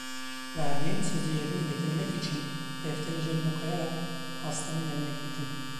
Verdiğim sözü yerine getirmek için defteri cebime koyarak, hastanın evine gittim.